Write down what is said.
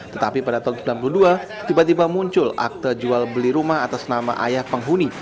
tetapi pada tahun seribu sembilan ratus sembilan puluh dua tiba tiba muncul akte jual beli rumah atas nama ayah penghuni